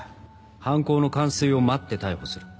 犯行の完遂を待って逮捕する。